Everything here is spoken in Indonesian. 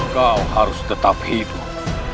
kau harus tetap hidup